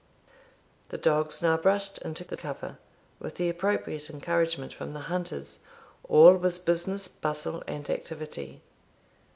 The dogs now brushed into the cover, with the appropriate encouragement from the hunters all was business, bustle, and activity.